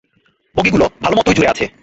বগিগুলো ভালোমতোই জুরে আছে।